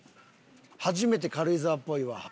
初めて軽井沢っぽいわ。